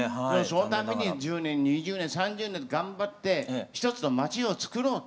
その度に１０年２０年３０年頑張って一つの町をつくろう。